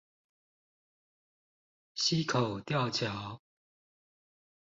溪口吊橋